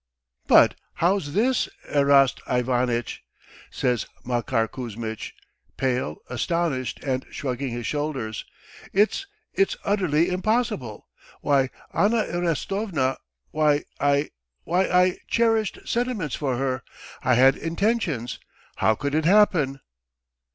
"But how's this, Erast Ivanitch?" says Makar Kuzmitch, pale, astonished, and shrugging his shoulders. "It's ... it's utterly impossible. Why, Anna Erastovna ... why I ... why, I cherished sentiments for her, I had intentions. How could it happen?"